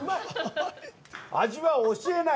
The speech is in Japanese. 味は教えない！